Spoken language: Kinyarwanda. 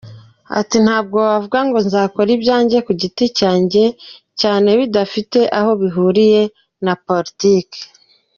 Ati “Ntabwo wavuga ngo nzakora ibyanjye ku giti cyane bidafite aho bihuriye na Politike.